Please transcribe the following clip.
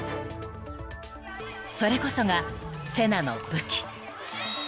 ［それこそがセナの武器］